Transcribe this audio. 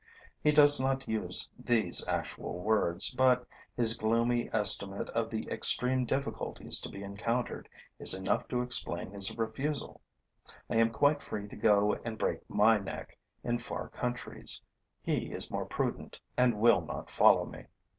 He does not use these actual words, but his gloomy estimate of the extreme difficulties to be encountered is enough to explain his refusal. I am quite free to go and break my neck in far countries; he is more prudent and will not follow me.